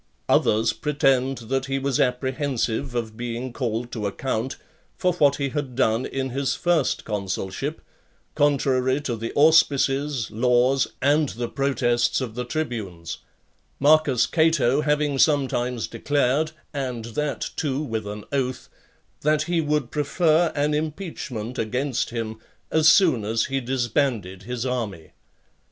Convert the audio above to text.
Others pretend that he was apprehensive of being (21) called to account for what he had done in his first consulship, contrary to the auspices, laws, and the protests of the tribunes; Marcus Cato having sometimes declared, and that, too, with an oath, that he would prefer an impeachment against him, as soon as he disbanded his army.